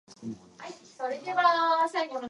It officially ended the Latvian War of Independence.